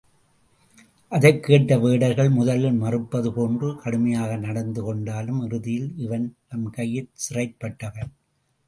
அதைக் கேட்ட வேடர்கள் முதலில் மறுப்பதுபோன்று கடுமையாக நடந்து கொண்டாலும் இறுதியில் இவன் நம் கையிற் சிறைப் பட்டவன்.